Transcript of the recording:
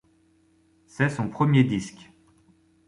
C'est son premier disque.